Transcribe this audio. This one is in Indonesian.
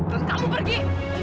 dan kamu pergi